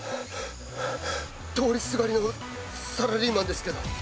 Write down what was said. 通りすがりのサラリーマンですけど。